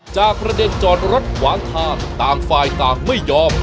จากประเด็นจอดรถขวางทางต่างฝ่ายต่างไม่ยอม